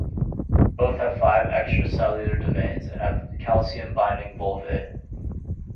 Both have five extracellular domains, and have calcium-binding vulvae.